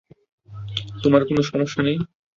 তোমার কোন সমস্যা নেই?